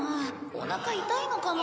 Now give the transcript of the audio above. おなか痛いのかな？